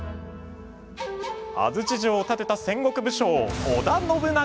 安土城を建てた戦国武将織田信長